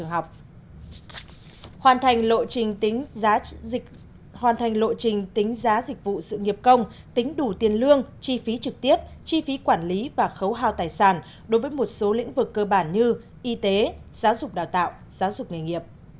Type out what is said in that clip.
hoàn thành lộ trình tính giá dịch vụ sự nghiệp công tính đủ tiền lương chi phí trực tiếp chi phí quản lý và khấu hào tài sản đối với một số lĩnh vực cơ bản như y tế giáo dục đào tạo giáo dục nghề nghiệp